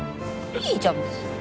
いいじゃん別に。